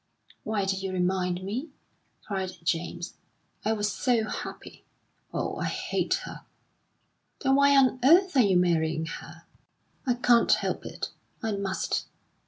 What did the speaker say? "Why did you remind me?" cried James. "I was so happy. Oh, I hate her!" "Then why on earth are you marrying her?" "I can't help it; I must.